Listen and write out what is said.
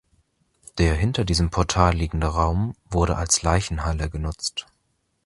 Der hinter diesem Portal liegende Raum wurde als Leichenhalle genutzt.